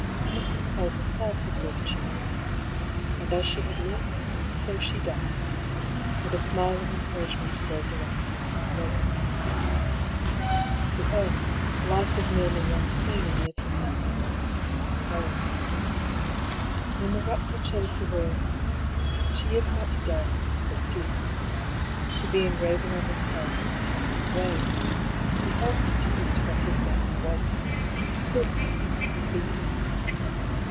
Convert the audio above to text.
Mrs. PauU herself had lived cheerfully ; and as she had lived, so she died — ^with a smile of encourage ment to those around her on her lips. To her, life was merely one scene in the eternal drama of the human soul. When the rector chose the words, " She is not dead, but sleepeth," to be engraven on the stone at the head of her grave, he felt indeed that his Maggie was not, could not be dead.